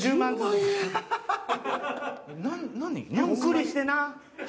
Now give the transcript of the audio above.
ゆっくりしてな。